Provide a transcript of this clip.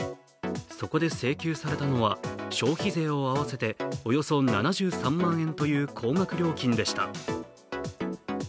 そこで請求されたのは消費税を合わせておよそ７３万円という高額料金でした。